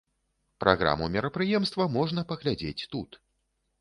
Праграму мерапрыемства можна паглядзець тут.